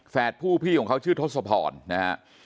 ผู้พี่ของเขาชื่อทศพรนะฮะ